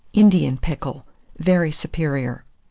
INDIAN PICKLE (very Superior).